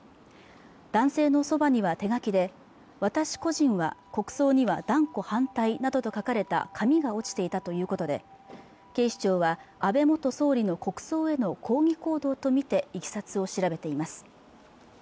男性のそばには手書きで「私個人は国葬には断固反対」などと書かれた紙が落ちていたということで警視庁は安倍元総理の国葬への抗議行動と見ていきさつを調べています